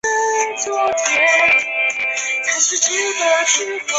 这也是吐蕃历史上唯一一个年号。